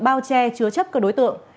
bao che chứa chấp các đối tượng